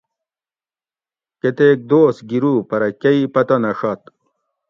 کتیک دوس گیرو پرہ کئ پتہ نہ ڛت